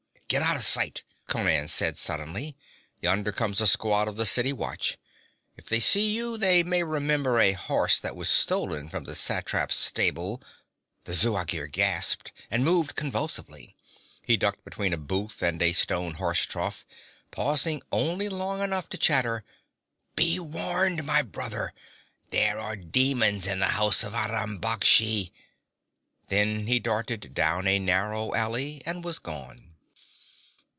'Get out of sight!' Conan said suddenly. 'Yonder comes a squad of the city watch. If they see you they may remember a horse that was stolen from the satrap's stable ' The Zuagir gasped, and moved convulsively. He ducked between a booth and a stone horse trough, pausing only long enough to chatter: 'Be warned, my brother! There are demons in the house of Aram Baksh!' Then he darted down a narrow alley and was gone.